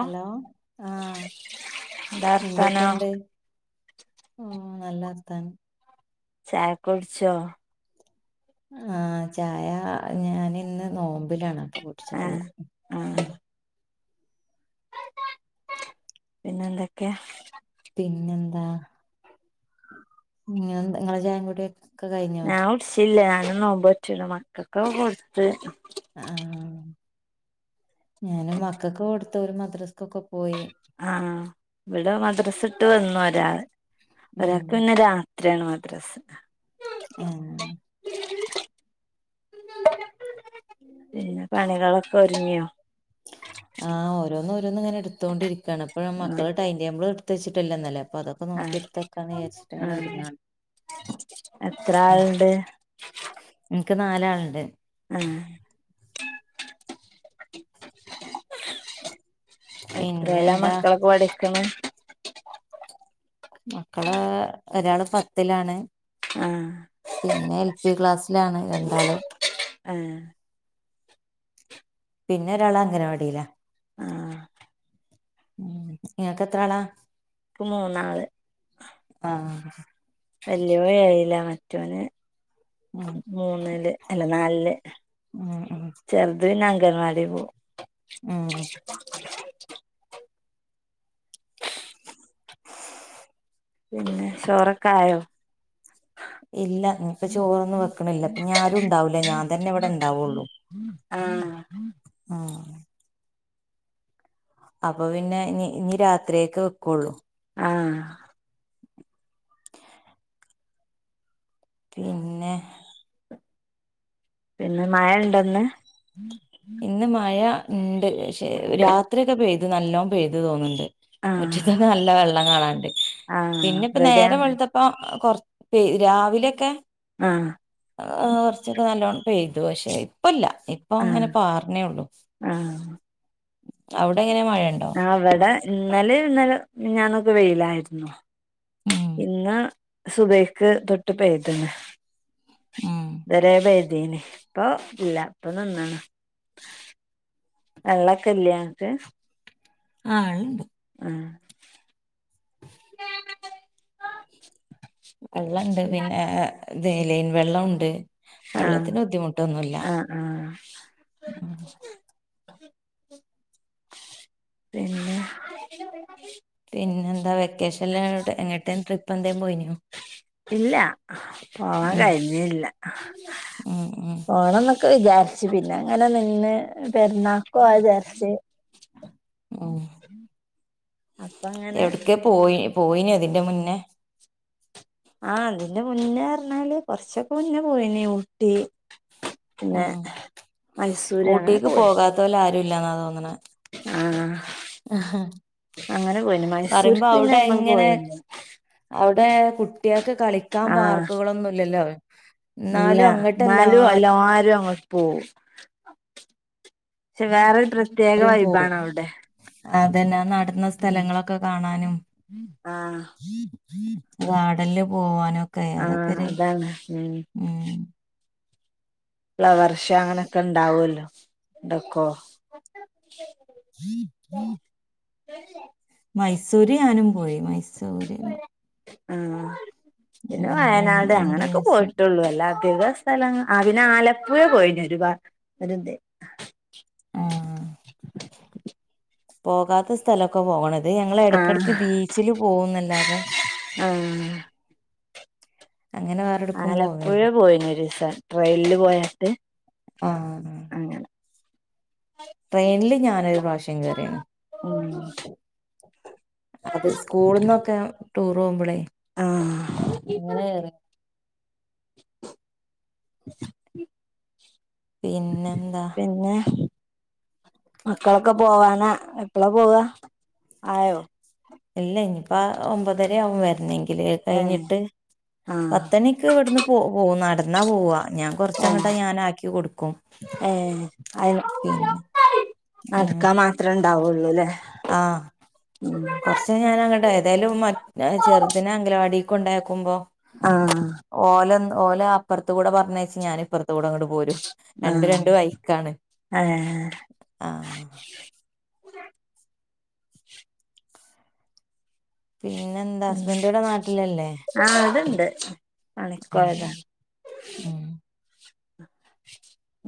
Hello ആാ എന്താ എന്തൊക്കെ വർത്താനം ഒണ്ട് ഉം നല്ലാ വർത്താനം ചായ ഒക്കെ കുടിച്ചോ ആ ചായ ഞാന് ഇന്ന് നോമ്പിലാണ് അപ്പൊ ആഹ് കൂട്ടിച്ചിട്ടില്ലാ ഉം ആഹ് പിന്നെ എന്തൊക്ക്യാ പിന്നെന്താ നി നിങ്ങളെ ചായൻകൂടി [unintelligible] ഞാൻ കൂടിച്ചില്ല ഞാനും നോമ്പ് നോറ്റ്ണ് മക്കക്കൊക്കേ കൊട്ത്ത് ആ ഞാനും മക്കക്ക് കൊട്ത്ത് ഓര് മദ്രസക്കൊക്കെ ആ ഇവടെ മദ്രസ് ഇട്ട് വന്നു ഒരാള് ഉം ഒരാക്ക് പിന്നെ രാ ത്രയാണ് മദ്രസാ ആഹ് പിന്നെ പണികളൊക്കെ ഒത്ങ്ങിയോ ആ ഓരോന്ന് ഓരോന്ന് ഇങ്ങനെ എടുത്തോണ്ടിരിക്കാണ് അപ്പയാ ആഹ് മക്കളെ ടൈം ടേബിൾ എടുത്ത് ട്ടില്ലന്നലെ അപ്പൊ അതൊക്കെ നോക്കി ആഹ് എടുത്ത് വെക്കാന്ന് വിചാരിച്ചട്ട് അങ്ങനെ ആഹ് ഒര്ങ്ങാണ് എത്ര ഉം ആളുണ്ട് എനിക്ക് നാലാൾ ആഹ് എത്രേലാ പിന്നെന്താ മക്കളൊക്കെ പഠിക്ക്ണെ മക്കള് ഒരാള് പത്തിലാണ് ആഹ് പിന്നെ എൽ പി ക്ലാസ്സിലാണ് രണ്ടാള് യെ പിന്നെ ഒരാള് അംഗനവാടിലാ ആഹ് ഉം ഇങ്ങക്ക് എത്രാളാ ഇക്ക് മൂന്നാള് ആഹ് വെല്ലിയോന് ഏഴിലാ മറ്റോന് ഉം മൂന്നില് അല്ലാ നാലില് ഉം ഉം ചെറുത് പിന്നെ അംഗന് ഗൻവാടി പോവും ഉം ഹം പിന്നെ ചോറൊക്കായോ ഇല്ല ഇനിപ്പോ ചോറൊന്നും വെക്ക്ണില്ലാ ഇപ്പഞ്ഞി ആരും ഉണ്ടാവില്ലാ ഞാൻ തന്നെ ഇബടെ ഉണ്ടാവുള്ളൂ [unintelligible] ആഹ് അപ്പൊ പിന്നെ നി നി രാത്രിയക്കെ വെക്കുള്ളൂ ആഹ് പിന്നെ പിന്നെ മയ ഇണ്ടോന്ന് ഇന്ന് മഴ ഇണ്ട് പഷേ രാത്രിയൊക്കെ പെയ്ത് നല്ലോം പെയ്തു തോന്ന്ണ്ട് ആഹ് മുറ്റത്ത് നല്ല വെള്ളം കാണാണ്ട് ആഹ് പിന്നെ ഇപ്പൊ ഇവിടെ നേരം അങ്ങനെ വെളുത്തപ്പൊ പെയ് രാവിലെയൊക്കെ ആഹ് കുറച്ചൊക്കെ നല്ലോണ്ണം പെയ്തു പക്ഷേ ഇപ്പല്ലാ ഇപ്പൊ ഇങ്ങനെ ആഹ് പാർണേള്ളു വ്ടെ ഇന്നലെ ഇന്നലെ മിഞ്ഞാനൊക്കെ വെയിലായിരുന്നു ഉം ഇന്ന് സുബൈക്ക് തൊട്ടു പെയ്ത്ണ് ഉം ഇതെരേ പെതീന്ന് ഇപ്പൊ ഇല്ല ഇപ്പൊ നിന്ന്ണ് വെള്ളൊക്കെല്ലേ ങ്ങക്ക് ആഹ് അണ്ട് ഉം വെള്ളണ്ട് പിന്നെ ലൈൻ വെള്ളുണ്ട് ആഹ് വെള്ളത്തിന് ബുദ്ധിമുട്ടൊന്നുല്ല ആഹ് ആഹ് പിന്നെ പിന്നെ എന്താ വെക്കേഷനിൽ എങ്ങട്ടേ ട്രിപ്പ് എന്തേം പോയിനോ ഇല്ല പോവാൻ ഉം കഴിഞ്ഞില്ല ഉം ഉം പോണംന്നൊക്കെ വിചാരിച്ച് പിന്നെ അങ്ങനെ നിന്ന് പെരുന്നാക്ക് ക്കോവ വിചാരിച്ച് ഉം അപ്പൊ അങ്ങനെ പോയിഞ്ഞോ തിന്റെ മുന്നേ അയിന്റെ മുന്നേറഞ്ഞാല് കൊറച്ചൊക്കെ മുന്നേ പോയിനി ഊട്ടി. പിന്നെ ഉം മൈസൂര് അങ്ങനെക്കെ പോയി. ഇല്ലാന്ന തോന്നണ. ആ അങ്ങനെ പോയിന്, മൈസൂർക്ക്‌ പറയുമ്പോ പിന്നെ നമ്മള് പോയിന്നേ. കുട്ട്യേൾക്ക്‌ കളിക്കാൻ പാർക്കുകളൊന്നുല്ലല്ലോ. ഇല്ല നാലും എല്ലാരും അങ്ങ പോ. ക്ഷെ വേറെരു പ്രത്യേക വൈബാണവിടെ. അതന്നാ. ആ നടന്ന സ്ഥലങ്ങളൊക്കെ കാണാനും. ആ വാർഡനില് പോവാനൊക്കെ ആ അതൊക്കെര് അതാണ് ഉം ഫ്ലവർഷോ അങ്ങനെയൊക്കെ ഇണ്ടാവല്ലോ. [unintelligible] തച്ച [unintelligible] [inaudible] മൈസൂര് ഞാനും പോയി മൈസൂര്. ആ പിന്നെ ര വയനാട് രണ്ട് അങ്ങനൊക്കെ ദിവസം പോയിട്ടുള്ളൂ. അല്ലാ അധിക- സ്ഥല, ആ പിന്നെ ആലപ്പുഴ പോയിന് ഒരുപാ [unintelligible] ഏ. പോകാത്ത സ്ഥലൊക്കെ പോകണ അത് ഞങ്ങള് ആ എടക്കെടക്ക് ബീച്ചില് പോവുന്നല്ലാതെ ആ പോവേല്ല ആലപ്പുഴേ പോയിന ഒരുസം ട്രെനില് പോയട്ട് അങ്ങെനെ. ട്രെയിനീല് ഞാനൊരു പ്രാവശ്യം കേറിണ്. ഉം അത് സ്കൂളന്നൊക്കെ ടൂർ പോകുമ്പോളേ ആഹ് അങ്ങനെ പിന്നെന്താ? പിന്നെ മക്കളൊക്കെ പോവാനാ, എപ്പളാ പോവ, ആയോ? ഇല്ല ഇനിപ്പ ഒൻപതരാവും വെരന്നെങ്കിൽ. ഇതെ ഏഹ് കഴിഞ്ഞിട്ട്, ആഹ് പത്തണിക്ക് ഇവിടുന്ന് പോ പോവും. നടന്നാ പോവാ. ഞാൻ ഏഹ് കൊറച്ചങ്ങട്ടാ ഞാനാക്കി കൊടുക്കും. പിന്നെ നടക്കാ മാത്രം ണ്ടാവുള്ളൂലെ? ആ കൊറച്ചയ്ഞാല ങ്ങട്ട് ഏതായാലും ചെറുതനെ അങ്കലവാടി ക്കൊണ്ടാക്കുമ്പോ ആ. ഓലെ അപ്പർത്ത്കൂടെ പറഞ്ഞേച്ച് ഞാനിപ്പർത്ത് കൂടെ ഓടും. പോരും. രണ്ട്, ആഹ് രണ്ട് വൈക്കാണ്, ഏഹ് ആ. പിന്നെന്താ? പിന്നെ ഹസ്ബൻഡിവിടെ നാട്ടിലല്ലേ? തെ, പണിക്കോയതാ. ആഹ് ഉം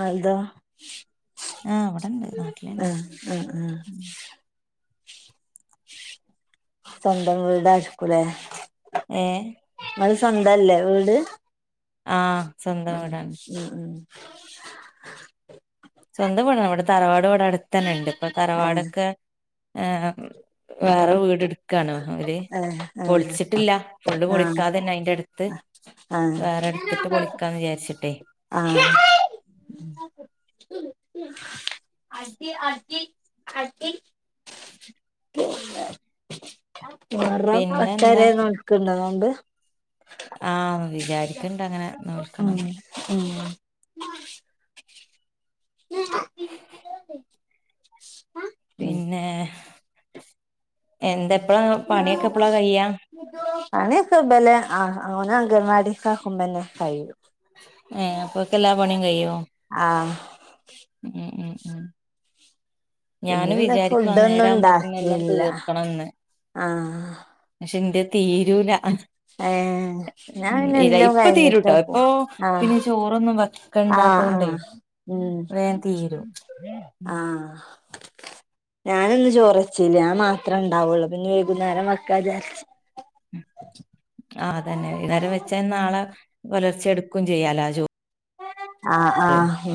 അ, ഇതൊ? ആഹ് ഇവിടെണ്ട് അ നാട്ടിലന്നെ അ അ. സ്വന്തം വീടായ്ര്ക്കൂലേ ഏഹ് ങ്ങള് സ്വന്തല്ലേ വീ ത് ആ. മ് [inaudible] സ്വന്തം വീടാണ്. ഇവടെ തറവാട് ഇവടെ അടുത്തന്നെണ്ട്, ഇപ്പൊ ആഹ് തറവാടൊക്കെ ഏ വേറെ വീട് ഇടുക്കണോ ഓല്? ആഹ് ആഹ് പൊളിച്ചിട്ടില്ല ഫുള്ള് ആഹ് പൊളിക്കാതെന്നെ അയിൻ്റെടുത്ത്. ആഹ് വേറെട്ത്തിട്ട് പൊളിക്കാന്ന് വിചാരിച്ചിട്ടേ. ആഹ് അടി അടി അടി. മുഹറം പത്തു പിന്നെന്താ വരെ നോൽക്കുണ്ടോ നോമ്പ്? ആ വിചാരിക്കണണ്ടങ്ങനെ. ആ അ ഉം പിന്നെ എന്താെപ്പ പണിയൊക്കെ പ്പളാ കയ്യാ പണി ഒക്കെ ബല ആ ഓനെ അങ്കൻവാടികാകുമ്പന്ന കയ്യു ഏ അപ്പൊക്കെല്ലാ പണിംകയ്യോ ആഹ് ഇന്ന് ഞാനും പിന്നെ വിചാരിക്കുവാ ഫുഡൊന്നും നേരാവുമ്പോത്തിന് എല്ലാം ണ്ടാക്കില്ല തീർക്കണംന്ന് [inaudible] ആ പക്ഷെ ഇന്റെ തീരൂല ഞാൻ പിന്നെ ഇര എല്ലോം ഇപ്പൊ കഴിഞ്ഞിട്ടാ തീരുട്ടോ പോ ഇപ്പൊ ആഹ് പിന്നെ ചോറൊന്നും വെക ആഹ് ആഹ് ഉ തീരും ആഹ [inaudible] ഞാനിന്ന് ചോറച്ചില്ല ഞാമാത്രേ ണ്ടാവുള്ളൂ പിന്നെ വൈകുന്നേരം വെക്കാ ജാര്ച്ച് ആ അതന്നെ വൈകുന്നേരം വെച്ചാ നാളെ പുലർച്ചെടുക്കും ചെയ്യാലോ ആ ചോ ആ ആ ഊ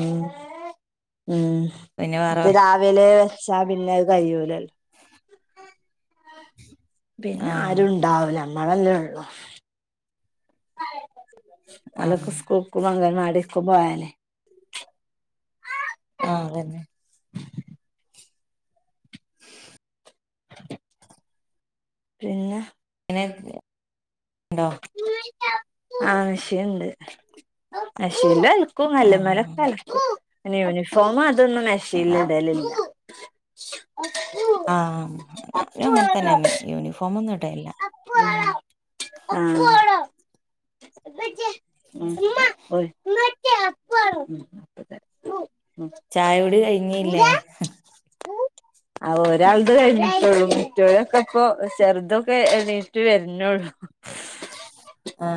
ഉം പിന്നെ വേറെ മറ്റേ രാവിലെ ച്ചാ പിന്ന അ കയ്യൂലല്ലോ [inaudible] ആഹ് പിന്നാരും ഇണ്ടാവുല നമ്മളല്ലേ ഉള്ളു ആഹ് ഓലക്കു സ്ക്കൂൾക്കുഅങ്കനവാ ടിക്കൂ പോയാല് ആഹ് അതന്നെ പിന്നെ '' ന്നെ [inaudible] ണ്ടോ ആവശ്യണ്ട് [inaudible] പിന്നൽക്കും ആഹ് കല്ലുമ്മലൊകലക്കും. പിന്നെ യൂണിഫോമതൊന്നും മെഷീനടലില്ല [inaudible] ആ ഞാനങ്ങനെ തന്നെ മ. യൂണിഫോം [unintelligible] പ്പപ്പള [unintelligible] ഉ ചായകുടി കഴിഞ്ഞില്ലേ? ആ ഒരാളത് കഴിഞ്ഞിട്ടുള്ളു മറ്റോരൊക്കെ ഇപ്പൊ ചെറുതൊക്കെ എണീറ്റ് വരുന്നുള്ളു ആ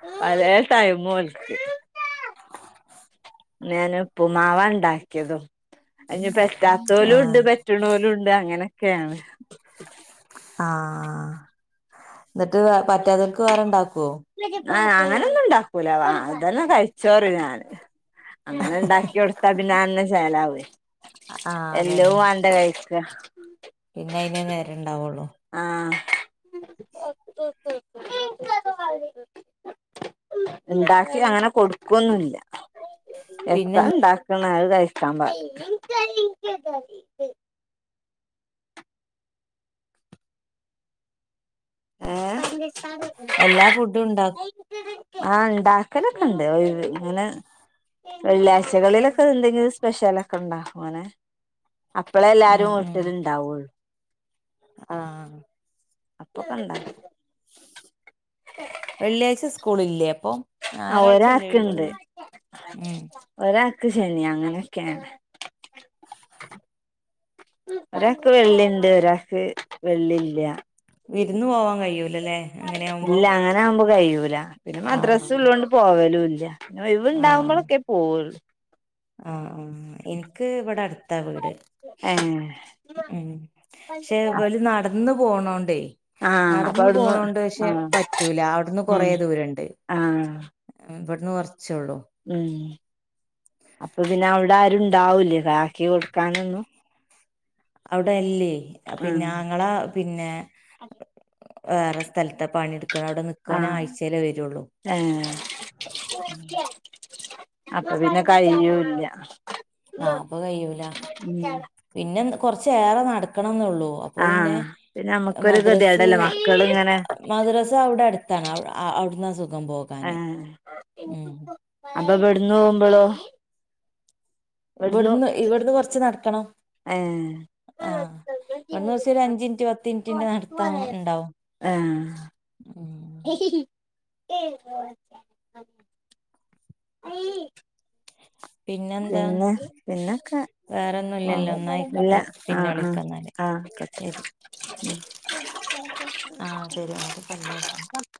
[unintelligible] ടൈം പോലക്ക് ഞാൻ ഉപ്പുമാവണ്ടാക്കിയതും അതിന് പറ്റാത്തോലും ആഹ് ഉണ്ട് പറ്റ നോലും ഉണ്ട്. ഇത അങ്ങനെയൊക്കെയാണ് ആഹ എന്നിട്ട് പറ്റാതോൽക്ക് വേറെണ്ടാക്കുവോ? ആ അങ്ങനെൊന്നും ഉണ്ടാക്കൂല വ അതെല്ലാം കഴിച്ചോറും ഞാാന് അങ്ങനെ ണ്ടാക്കി കൊടുത്ത പിന്നെ അന്നെ ചെലാവേ ആഹ് എല്ലവും അതന്നെ വണ്ട കഴിക്ക പിന്നെ അയിന് നേരെ ഉണ്ടാവുള്ളു ആ ണ്ടാക്കി അങ്ങനെ കൊടു [unintelligible] പിന്നെ എത്താണ്ട [unintelligible] ഏ എല്ലാ ഫുഡും ഉണ്ടാക്കും ആ ണ്ടാക്കലൊക്കെ ഉണ്ട് [unintelligible] ഇങ്ങനെ വെള്ളിയാഴ്ചകളിലൊക്കെ എന്തെങ്കിലും സ്പെഷ്യലൊക്കെ ഉണ്ടകും അങ്ങനെ അപ്പളെ എല്ലാരും വീട്ടില ഇണ്ടാവുള്ളു ആ ഇപ്പൊക്കണ്ടാ വെള്ളിയാഴ്ച സ്കൂളില്ലേ അപ്പൊ? ആ ഞായറാഴ്ചയല്ലേ ഒരാക്ക് ഇണ്ട് ഒഴിവുള്ളെ ഉം ഒരാ ശനിയ അങ്ങനെയൊക്കെയാണ് ഒരാൾക്ക് വെള്ളിണ്ട് ഒരാൾക്ക് വെള്ളില്ല വിരുന്ന് പോവാൻ കഴിയൂലല്ലേ അങ്ങനെയാവുമ്പോ? കയൂല പിന്നെ മദ്രസ ഉള്ളുകൊണ്ട് പോവലും ഇല്ല പി ഒഴിവു ണ്ടാവുമ്പോഴൊക്കെ പോവുള്ളൂ ആ ആ എനിക്ക് ഇവിടെ അടു- ത്ത വീട് ഏ ഉ പക്ഷെ പോല നടന്ന പോണോണ്ടേ ആഹ് അപ്പൊ നടന്ന് അവിടുന്ന് പോണൊണ്ട് പക്ഷെ ആഹ് പറ്റൂല അവിടുന്ന് കൊറ ഉം ദൂരുണ്ട് ആഹ് ഇവ ഉം അപ്പ പിന്നെ അവിടെ ആരുണ്ടാവൂലേ ബാക്കി കൊടുക്കാനൊന്നു അവിടെയല്ലേ പിന്നെ ങ്ങളെ പിന്നെ വേറെ സ്ഥലത്ത് പണിെടുക്ക അവിടെ നിക്കവാന ആഹ് ആഴ്ചല്ലേ വരുള്ളൂ ഏഹ് അപ്പൊ പിന്നെ കയിഞ്ഞുല്ല ആ അപ്പൊ കഴൂല പിന്നെ കൊറച്ചേറെ നടക്കണം അപ്പൊ പിന്നെ ആഹ് പിന്നെ നമ്മുക്കൊരു മദ്രസ് ഗതികേടല്ലേ മക്കള് ഇങ്ങനെ മദ്രസ അവിടെ അടുത്താണ് അവിടുന്ന് ആ അപ്പൊ ഇ വിടന്ന് പോകുമ്പോളോ? ഇവിടുന്ന് ഇവിടുന്ന് കൊറച്ച് നടക്കണം ഏഹ് ആ ഒവിടന്ന് ദിവസം ഒരു അഞ്ചിനിറ്റ് പത്തി ഇിനിറ്റിന്റെ നടത്താ ഉണ്ടാവും ഉം ഉ ഏ അ പിന്നെ പിന്നൊക്കെ വേറെ ആ ഒന്നുംല്ലല്ലോ ഇല്ല ഒന്നായിക്കോട്ടെ ആ പിന്നെ ആ വിളിക്കന്നല്ലേ ആ ഓക്കെ ശരി ആ പരു അ പറ